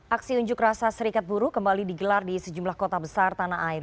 aksi unjuk rasa serikat buruh kembali digelar di sejumlah kota besar tanah air